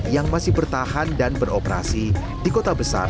yang masih bertahan dan beroperasi di kota besar